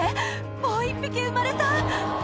もう１匹生まれた！